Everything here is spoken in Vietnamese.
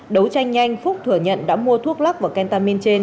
đấu tranh nhanh phúc thừa nhận đã mua thuốc lắc và kentamin trên